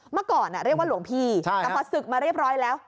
เมื่อก่อนเรียกว่าหลวงพี่แต่พอศึกมาเรียบร้อยแล้ว